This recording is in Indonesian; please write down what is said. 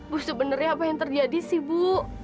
bu sebenarnya apa yang terjadi sih bu